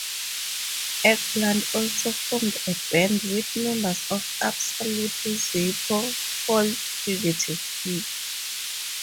Eggplant also formed a band with members of "Absolutely Zippo" called Fugitive Kind.